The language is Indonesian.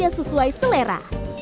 dia sesuai selera